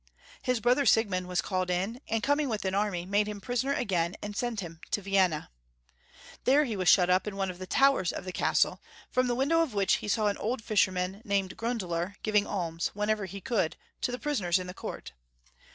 His brother Siegmund was called in, and coming with an army, made liim prisoner again, and sent him to Vienna. There he was shut up in one of the towers of the castle, from the window of which he saw an old fisherman named Grundler giving alms, whenever he could, to the prisoners in the court.